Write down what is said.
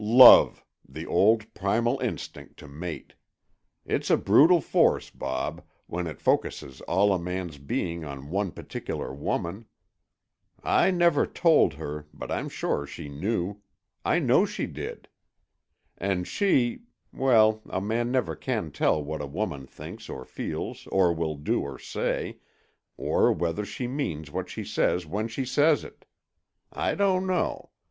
Love—the old, primal instinct to mate! It's a brutal force, Bob, when it focuses all a man's being on one particular woman. I never told her, but I'm sure she knew; I know she did. And she—well, a man never can tell what a woman thinks or feels or will do or say, or whether she means what she says when she says it. I don't know.